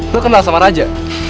hah lu kenal sama raja